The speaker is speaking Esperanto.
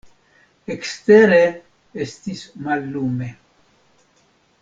Ekstere estis mallume.